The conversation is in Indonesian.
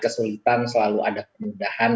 kesulitan selalu ada kemudahan